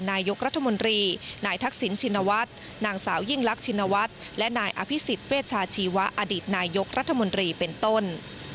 นางสาวยิ่งลักษณวัตรและนายอภิษฎิเวชาชีวะอดีตนายกรัฐมนตรีเป็นต้น